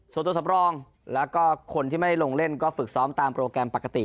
ส่วนตัวสำรองแล้วก็คนที่ไม่ได้ลงเล่นก็ฝึกซ้อมตามโปรแกรมปกติ